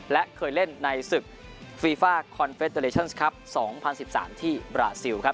และเคยเล่นในศึกฟีฟ่าคอนเฟสเตอร์เลชั่นส์ครับ๒๐๑๓ที่บราซิลครับ